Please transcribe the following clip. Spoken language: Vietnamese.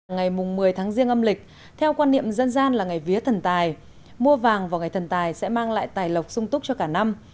ngày một mươi tháng riêng âm lịch theo quan niệm dân gian là ngày vía thần tài mua vàng vào ngày thần tài sẽ mang lại tài lộc sung túc cho cả năm